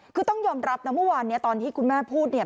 คือต้องยอมรับนะเมื่อวานเนี่ยตอนที่คุณแม่พูดเนี่ย